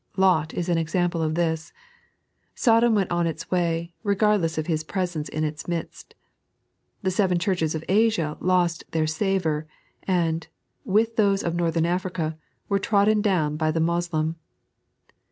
Lot is an example of this. Sodom went on it« way, regardless of his presence in its midst. The Seven Churches of Asia lost their eavonr, and, with those of Northern Africa, were trodden down by the Moslem.